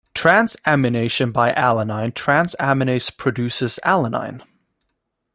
Transamination by alanine transaminase produces alanine.